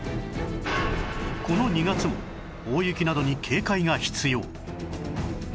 この２月も大雪などに警戒が必要